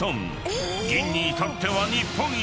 ［銀に至っては日本一！］